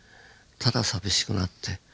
ただ寂しくなって。